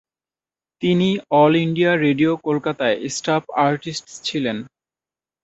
তিনি all India radio কোলকাতার staff artist ছিলেন।